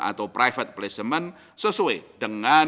atau private placement sesuai dengan